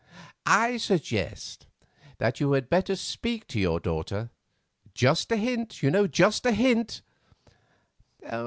I suggest that you had better speak to your daughter; just a hint, you know, just a hint."